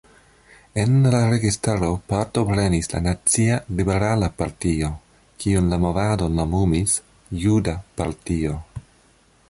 En la registaro partoprenis la Nacia Liberala Partio, kiun la movado nomumis „Juda partio“.